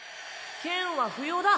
剣は不要だ。